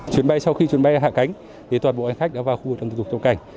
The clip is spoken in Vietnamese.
chuyến bay sau khi chuyến bay hạ cánh thì toàn bộ hành khách đã vào khu vực thủ tục trong cảnh